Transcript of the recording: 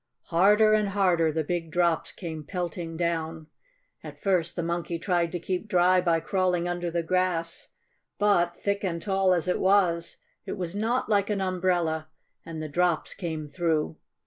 Harder and harder the big drops came pelting down. At first the Monkey tried to keep dry by crawling under the grass. But, thick and tall as it was, it was not like an umbrella, and the drops came through.